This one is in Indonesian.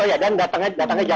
oh ya dan datangnya jangan mepet